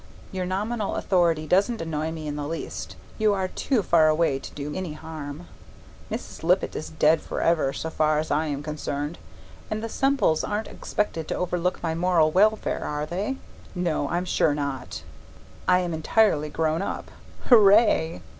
Your nominal authority doesn't annoy me in the least; you are too far away to do any harm. Mrs. Lippett is dead for ever, so far as I am concerned, and the Semples aren't expected to overlook my moral welfare, are they? No, I am sure not. I am entirely grown up. Hooray!